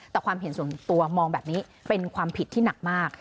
แต่ความเห็นส่วนตัวมองแบบนี้เป็นความผิดที่หนักมาก